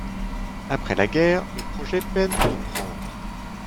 Après la guerre, le projet peine à reprendre.